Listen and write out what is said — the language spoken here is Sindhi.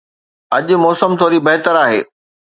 اڄ موسم ٿوري بهتر آهي